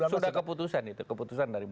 sudah keputusan itu